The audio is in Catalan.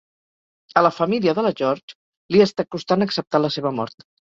A la família de la George li està costant acceptar la seva mort.